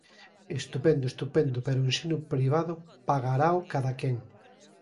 Estupendo, estupendo, pero o ensino privado pagarao cadaquén.